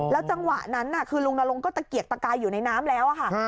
จังหวะนั้นคือลุงนรงก็ตะเกียกตะกายอยู่ในน้ำแล้วค่ะ